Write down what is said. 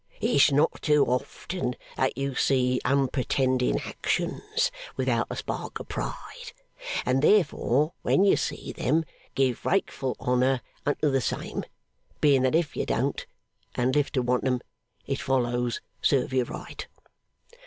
It's not too often that you see unpretending actions without a spark of pride, and therefore when you see them give grateful honour unto the same, being that if you don't, and live to want 'em, it follows serve you right.